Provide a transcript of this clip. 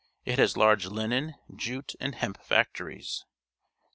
It has large linen, jute, and hemp factories.